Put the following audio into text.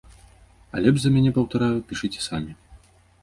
А лепш за мяне, паўтараю, пішыце самі!